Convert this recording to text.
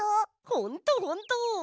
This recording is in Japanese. ほんとほんと！